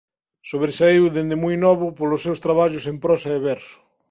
Sobresaíu dende moi novo polos seus traballos en prosa e verso.